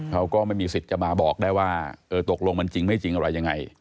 เขาก็ไม่มีสิทธิ์จะมาบอกได้ว่าเออตกลงมันจริงไม่จริงอะไรยังไง